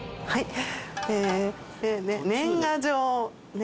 はい。